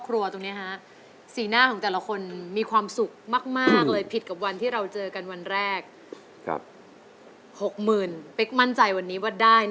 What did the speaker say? เราเกิดมาใช้เวร